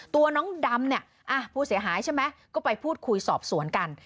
ตัวน้องดำเนี่ยผู้เสียหายใช่ไหมก็ไปพูดคุยสอบสวนกัน